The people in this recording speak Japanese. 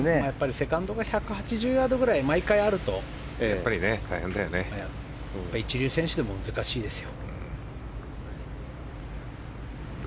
セカンドが１８０ヤードくらい毎回あると一流選手でも難しいですよ。